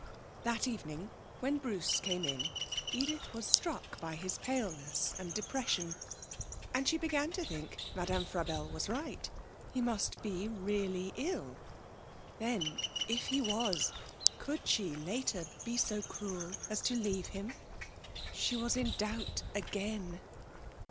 That evening, when Bruce came in, Edith was struck by his paleness and depression; and she began to think Madame Frabelle was right; he must be really ill. Then, if he was, could she, later, be so cruel as to leave him? She was in doubt again....